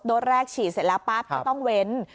แรกฉีดเสร็จแล้วปั๊บก็ต้องเว้น